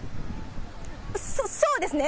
そうですね。